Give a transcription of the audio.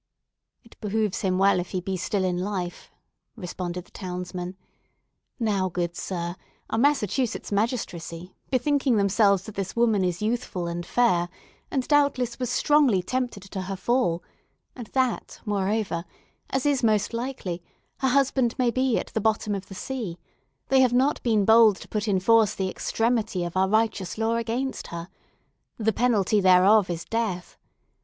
"It behoves him well if he be still in life," responded the townsman. "Now, good Sir, our Massachusetts magistracy, bethinking themselves that this woman is youthful and fair, and doubtless was strongly tempted to her fall, and that, moreover, as is most likely, her husband may be at the bottom of the sea, they have not been bold to put in force the extremity of our righteous law against her. The penalty thereof is death.